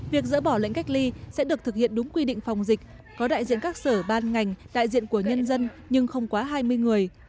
việc dỡ bỏ lệnh cách ly sẽ được thực hiện đúng quy định phòng dịch có đại diện các sở ban ngành đại diện của nhân dân nhưng không quá hai mươi người